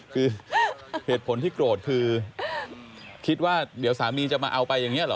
คือเหตุผลที่โกรธคือคิดว่าเดี๋ยวสามีจะมาเอาไปอย่างนี้หรอ